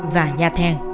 và nhà thèn